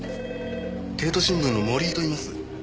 帝都新聞の森井といいます。